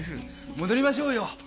戻りましょうよ。